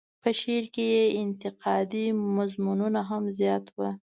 په شعر کې یې انتقادي مضمونونه هم زیات وو.